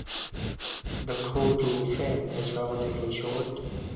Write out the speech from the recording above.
The caudal fin is relatively short.